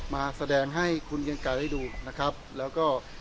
มาแสดงให้คุณเกียงไกรได้ดูนะครับแล้วก็